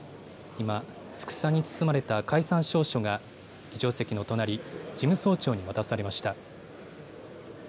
今、ふくさに包まれた解散詔書が、議長席の隣、事務総長に渡されました。